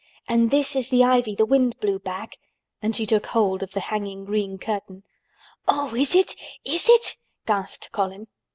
And this is the ivy the wind blew back," and she took hold of the hanging green curtain. "Oh! is it—is it!" gasped Colin.